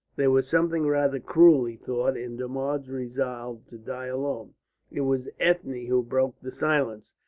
There was something rather cruel, he thought, in Dermod's resolve to die alone. It was Ethne who broke the silence.